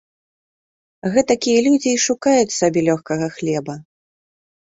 Гэтакія людзі й шукаюць сабе лёгкага хлеба.